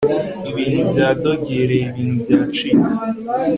ibintu byadogereye ibintu byacitse